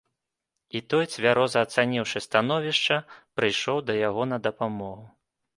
І той, цвяроза ацаніўшы становішча, прыйшоў да яго на дапамогу.